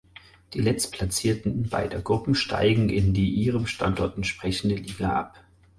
Die Letztplatzierten beider Gruppen steigen in die ihrem Standort entsprechende Liga ab.